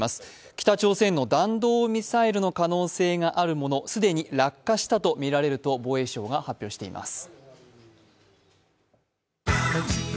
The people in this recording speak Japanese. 北朝鮮の弾道ミサイルの可能性があるもの既に落下したとみられると防衛省が発表しています。